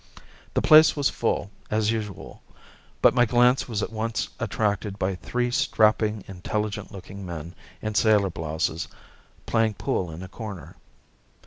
The place was full, as usual, but my glance was at once attracted by three strapping, intelligent looking men in sailor blouses playing pool in a corner.